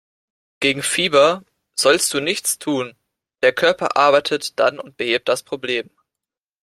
Gegen Fieber sollst du nichts tun, der Körper arbeitet dann und behebt das Problem.